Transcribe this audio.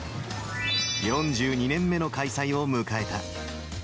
４２年目の開催を迎えた。